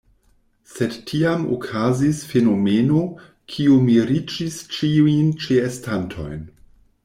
Sed tiam okazis fenomeno, kiu miriĝis ĉiujn ĉeestantojn.